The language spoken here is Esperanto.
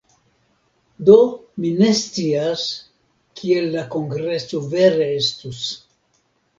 Do mi ne scias, kiel la kongreso vere estus.